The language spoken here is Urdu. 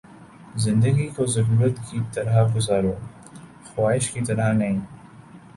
زندگی کو ضرورت کی طرح گزارو، خواہش کی طرح نہیں